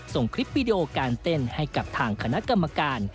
ส่งคลิปวิดีโอการเต้นให้กับทางคณะกรรมการ